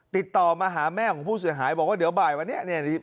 ติดต่อมาหาแม่ของผู้เสียหายบอกว่าเดี๋ยวบ่ายวันนี้เนี่ย